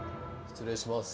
失礼します。